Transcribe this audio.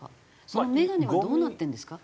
その眼鏡はどうなってるんですか？